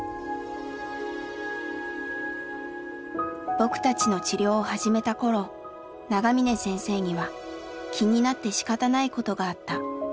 僕たちの治療を始めたころ長嶺先生には気になってしかたないことがあった。